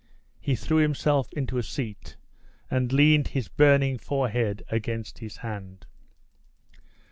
He threw himself into a seat, and leaned his burning forehead against his hand.